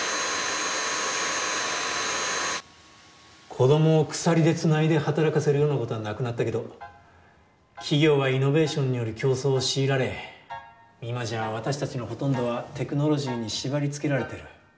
・子供を鎖でつないで働かせるようなことはなくなったけど企業はイノベーションによる競争を強いられ今じゃ私たちのほとんどはテクノロジーに縛りつけられている。